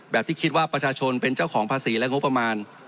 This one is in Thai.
ที่คิดว่าประชาชนเป็นเจ้าของภาษีและงบประมาณ